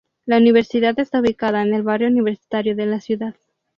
La Universidad está ubicada en el Barrio Universitario de la ciudad.